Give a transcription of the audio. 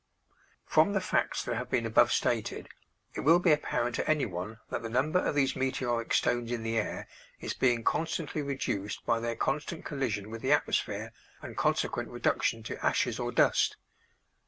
From the facts that have been above stated it will be apparent to anyone that the number of these meteoric stones in the air is being constantly reduced by their constant collision with the atmosphere and consequent reduction to ashes or dust.